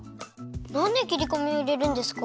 なんできりこみをいれるんですか？